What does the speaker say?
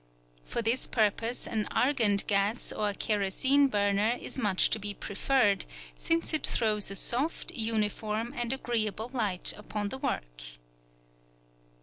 For this purpose an Argand gas or kerosene burner is much to be preferred, since it throws a soft, uniform, and agreeable light upon the work.